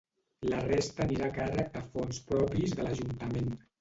La resta anirà a càrrec de fons propis de l’ajuntament.